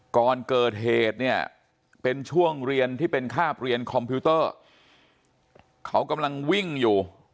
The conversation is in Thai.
ก่อนเกิดเหตุเนี่ยเป็นช่วงเรียนที่เป็นคาบเรียนคอมพิวเตอร์เขากำลังวิ่งอยู่